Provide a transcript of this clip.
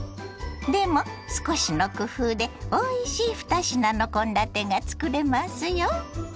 でも少しの工夫でおいしい２品の献立がつくれますよ。